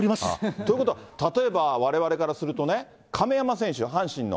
ということは例えば、われわれからするとね、亀山選手、阪神の。